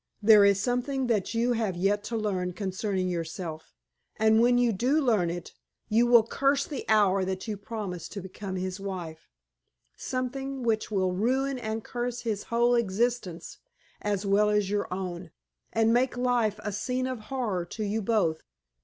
There is something that you have yet to learn concerning yourself; and when you do learn it, you will curse the hour that you promised to become his wife something which will ruin and curse his whole existence as well as your own, and make life a scene of horror to you both!